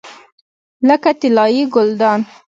لکه طلایي ګلدان.